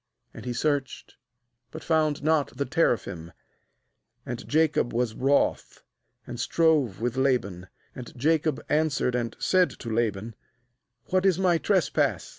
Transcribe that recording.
7 And he searched, but found not the teraphim. 36And Jacob was wroth, and strove with Laban. And Jacob answered and said to Laban: 'What is my trespass?